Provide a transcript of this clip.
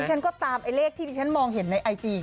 ฉันก็ตามไอ้เลขที่ที่ฉันมองเห็นในไอจี